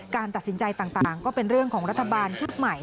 การตัดสินใจต่างก็เป็นเรื่องของรัฐบาลชุดใหม่